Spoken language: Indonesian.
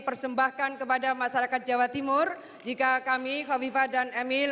persembahkan kepada masyarakat jawa timur jika kami hovifa dan emil